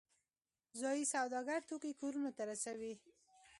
ځایی سوداګر توکي کورونو ته رسوي